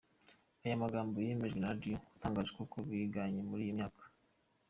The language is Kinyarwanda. Aya magambo yemejwe na Radio watangaje koko biganye muri iyo myaka.